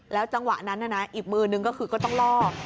แล้วจังหวะนั้นน่ะนะอีบมือนึงก็คือก็ต้องล่อ